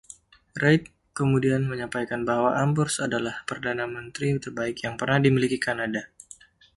Reid kemudian menyampaikan bahwa Amborse adalah perdana menteri terbaik yang pernah dimiliki Kanada.